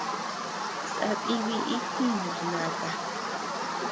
Sadï biʼi jiinus nata.